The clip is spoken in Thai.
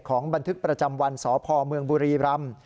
ของบันทึกประจำวันสพเมืองบุรีรัมพ์